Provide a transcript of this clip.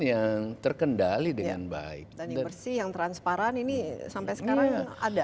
yang terkendali dengan baik dan yang bersih yang transparan ini sampai sekarang ada